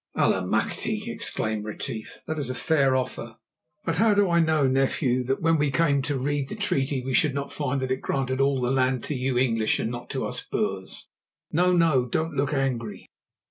"Allemachte!" exclaimed Retief; "that is a fair offer. But how do I know, nephew, that when we came to read the treaty we should not find that it granted all the land to you English and not to us Boers? No, no, don't look angry.